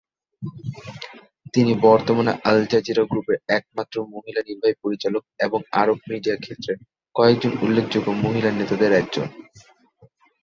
তিনি বর্তমানে Al Jazeera গ্রুপের একমাত্র মহিলা নির্বাহী পরিচালক এবং আরব মিডিয়া ক্ষেত্রের কয়েকজন উল্লেখযোগ্য মহিলা নেতাদের একজন।